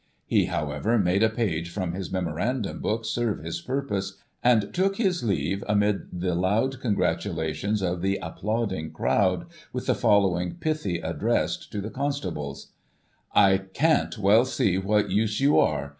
He, however, made a page from his memorandum book serve his purpose, and took his leave amid the loud congratulations of the applauding crowd, with the following pithy address to the constables :' I can't well see what use you are.